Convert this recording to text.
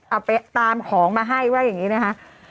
เอาไปตามของมาให้ว่าอย่างนี้นะคะ